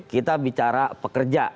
kita bicara pekerja